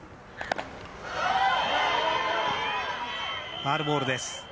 ファウルボールです。